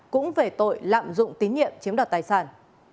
cũng về tội lạm dụng tín nhiệm chiếm đoạt tài sản